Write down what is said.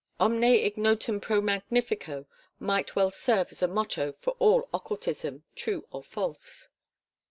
Omne ignotum pro magnifico might well serve as a motto for all occultism, true or false.